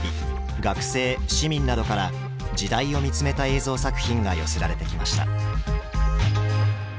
学生市民などから時代を見つめた映像作品が寄せられてきました。